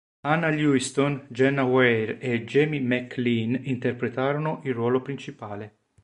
Hannah Levinson, Jenna Weir, e Jaime MacLean interpretarono il ruolo principale.